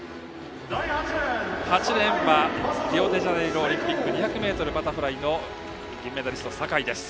８レーンはリオデジャネイロオリンピック２００ｍバタフライの銀メダリスト、坂井です。